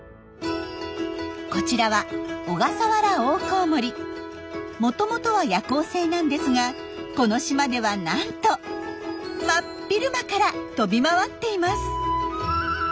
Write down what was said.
こちらはもともとは夜行性なんですがこの島ではなんと真っ昼間から飛び回っています。